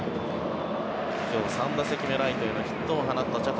今日３打席目ライトへのヒットを放った茶谷。